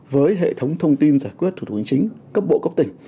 với hệ thống thông tin giải quyết thủ tục hành chính cấp bộ cấp tỉnh